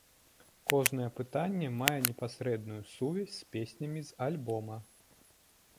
Кожнае пытанне мае непасрэдную сувязь з песнямі з альбома.